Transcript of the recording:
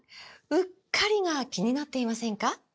“うっかり”が気になっていませんか？